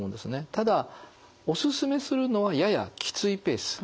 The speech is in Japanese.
ただお勧めするのはややきついペース。